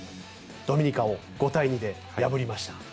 ドミニカを５対２で破りました。